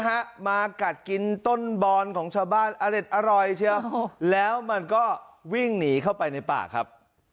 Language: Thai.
ฮะมากัดกินต้นบอนของชาวบ้านอเด็ดอร่อยเชียวแล้วมันก็วิ่งหนีเข้าไปในป่าครับ